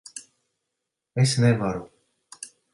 Es nevaru.